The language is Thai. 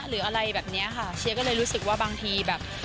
หรืออะไรแบบเนี้ยค่ะเชียร์ก็เลยรู้สึกว่าบางทีแบบ